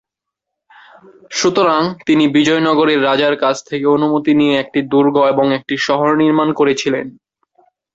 সুতরাং, তিনি বিজয়নগরের রাজার কাছ থেকে অনুমতি নিয়ে একটি দুর্গ এবং একটি শহর নির্মাণ করেছিলেন।